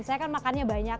saya kan makannya banyak